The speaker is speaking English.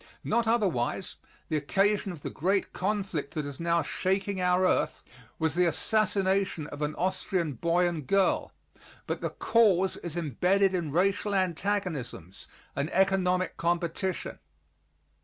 Not otherwise, the occasion of the great conflict that is now shaking our earth was the assassination of an Austrian boy and girl, but the cause is embedded in racial antagonisms and economic competition.